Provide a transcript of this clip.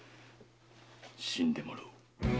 死んでもらう。